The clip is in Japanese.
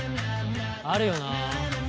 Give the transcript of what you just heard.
あるよな。